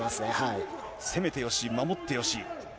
攻めてよし、守ってよし。